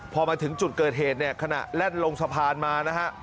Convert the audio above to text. พอมาถึงจุดเกิดเหตุเนี่ยขณะแล่นลงสะพานมานะฮะ